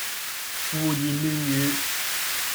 胡言亂語